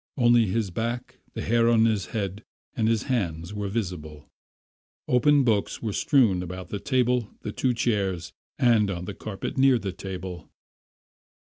Only his back, the hair on his head and his hands were visible. Open books were strewn about on the table, the two chairs, and on the carpet near the table.